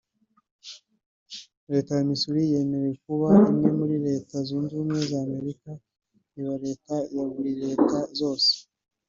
Leta ya Missouri yemerewe kuba imwe muri Leta zunze ubumwe za Amerika iba leta ya muri leta zose